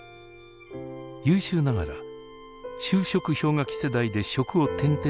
優秀ながら就職氷河期世代で職を転々とする女性。